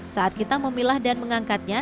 saat kita memilah dan mengangkatnya